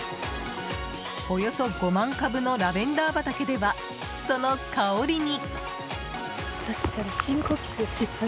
およそ５万株のラベンダー畑ではその香りに。